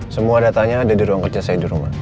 semua datanya ada di ruang kerja saya di rumah